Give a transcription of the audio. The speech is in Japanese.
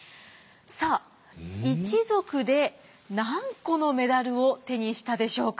さあ一族で何個のメダルを手にしたでしょうか。